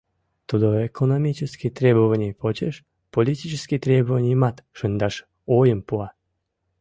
Тудо экономический требований почеш политический требованийымат шындаш ойым пуа.